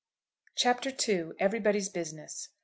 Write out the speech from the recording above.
CHAPTER II. 'EVERYBODY'S BUSINESS.'